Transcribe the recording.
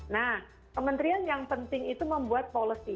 nah kementerian yang penting itu membuat policy